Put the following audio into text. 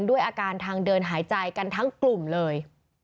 ด้วยอาการทางเดินหายใจกันทั้งกลุ่มเลย